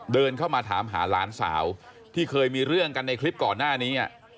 เดินเข้ามาถามหาหลานสาวที่เคยมีเรื่องกันในคลิปก่อนหน้านี้